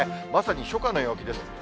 まさに初夏の陽気です。